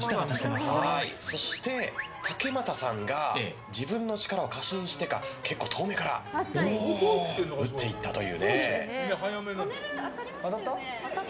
そして竹俣さんが自分の力を過信してか結構遠めから打っていったという。